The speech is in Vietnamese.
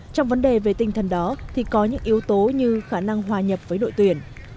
trong vấn đề về tinh thần đó thì có những yếu tố như khả năng hòa nhập với đội tuyển